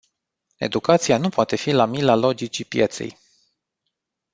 Educația nu poate fi la mila logicii pieței.